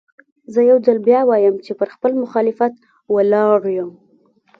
زه يو ځل بيا وايم چې پر خپل مخالفت ولاړ يم.